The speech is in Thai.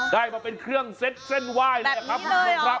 ได้มาเป็นเครื่องเซ็ตเส้นไหว้เลยครับครับครับ